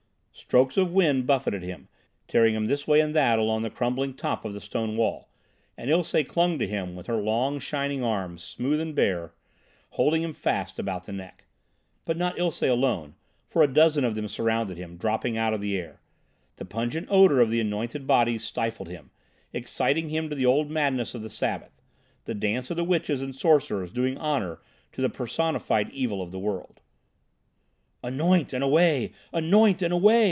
Strokes of wind buffeted him, tearing him this way and that along the crumbling top of the stone wall; and Ilsé clung to him with her long shining arms, smooth and bare, holding him fast about the neck. But not Ilsé alone, for a dozen of them surrounded him, dropping out of the air. The pungent odour of the anointed bodies stifled him, exciting him to the old madness of the Sabbath, the dance of the witches and sorcerers doing honour to the personified Evil of the world. "Anoint and away! Anoint and away!"